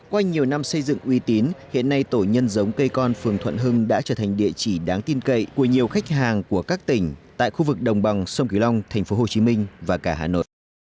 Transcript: qua nhiều năm xây dựng uy tín hiện nay tổ nhân giống cây con phường thuận hưng đã trở thành địa chỉ đáng tin cậy của nhiều khách hàng của các tỉnh tại khu vực đồng bằng sông cửu long tp hcm và cả hà nội